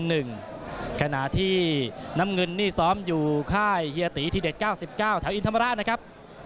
ฮิยาตีทีเดช๙๙ขณะที่น้ำเงินนี่ซ้อมอยู่ค่ายหิอตีที่เดช๙๙แถวอินธมราศนะครับ